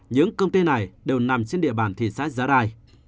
những công ty này đều nằm trên địa bàn thị xã giá rai